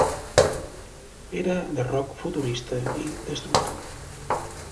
Era de rock futurista i destructor.